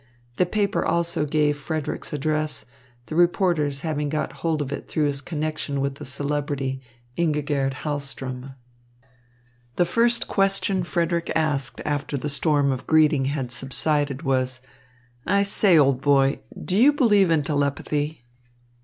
The paper also gave Frederick's address, the reporters having got hold of it through his connection with the celebrity, Ingigerd Hahlström. The first question Frederick asked after the storm of greeting had subsided, was, "I say, old boy, do you believe in telepathy?"